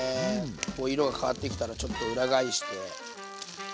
こう色が変わってきたらちょっと裏返して。